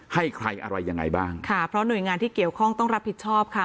ให้ใครอะไรยังไงบ้างค่ะเพราะหน่วยงานที่เกี่ยวข้องต้องรับผิดชอบค่ะ